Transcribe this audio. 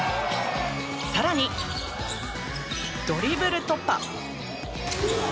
更に、ドリブル突破！